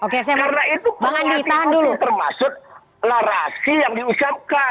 karena itu penghati hati tersebut termasuk larasi yang diusapkan